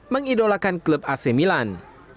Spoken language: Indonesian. mengidolakan klub ac milan